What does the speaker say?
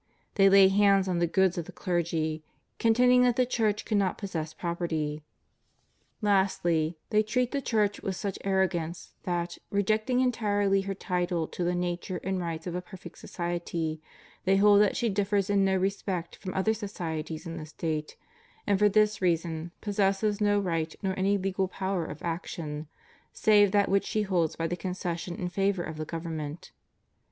They lay hands on the goods of the clergy, contending that the Church cannot possess property. Lastly, they treat the Church with such arrogance that, rejecting entirely her title to the nature and rights of a perfect society, they hold that she differs in no respect from other societies in the State, and for this reason possesses no right nor any legal power of action, save that which she holds by the concession and favor of the government.